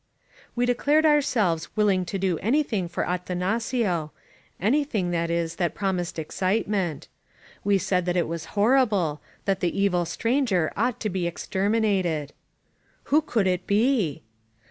We declared ourselves willing to do anything for Atanacio — anything, that is, that promised excitement. We said that it was horrible, that the evil stranger ought to be exterminated. 304i HAPPY VALLEY "Who could it be?''